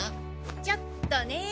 ちょっとね。